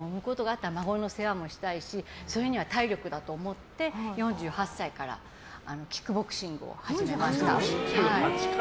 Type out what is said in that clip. あと子供たちが、また結婚してもし子供が産むことがあったら孫の世話もしたいしそれには体力だと思って４８歳からキックボクシングを始めました。